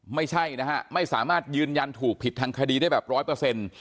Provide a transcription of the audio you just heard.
ไม่ใช่นะฮะไม่สามารถยืนยันถูกผิดทางคดีได้แบบร้อยเปอร์เซ็นต์